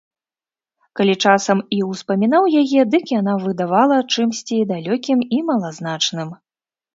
Калі часам і ўспамінаў яе, дык яна выдавала чымсьці далёкім і малазначным.